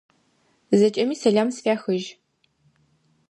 Зэкӏэми сэлам сфяхыжь!